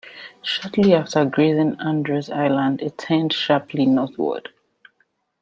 Shortly after grazing Andros Island, it turned sharply northward.